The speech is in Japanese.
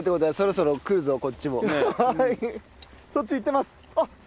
そっち行ってます。